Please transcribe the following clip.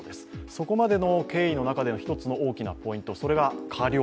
そこまでの経緯の中での一つの大きなポイントそれが過料